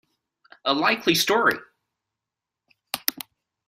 A likely story!